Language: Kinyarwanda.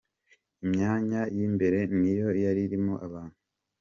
Imyanya y'imbere niyo yari irimo abantu.